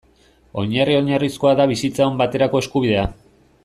Oinarri oinarrizkoa da bizitza on baterako eskubidea.